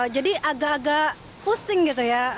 jadi agak agak pusing gitu ya